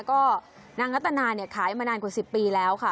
ก็นางรัตนาเนี่ยขายมานานกว่า๑๐ปีแล้วค่ะ